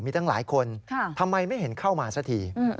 มีตั้งหลายคนทำไมไม่เห็นเข้ามาสักที